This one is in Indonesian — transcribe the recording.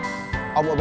om ubed baru jualnya